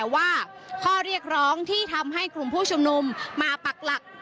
ว่าข้อเรียกร้องที่ทำให้กลุ่มผู้ชุมนุมมาปักหลัก